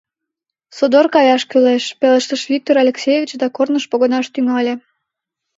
— Содор каяш кӱлеш, — пелештыш Виктор Алексеевич да корныш погынаш тӱҥале.